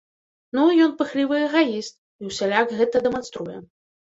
Ну, ён пыхлівы эгаіст, і ўсяляк гэта дэманструе.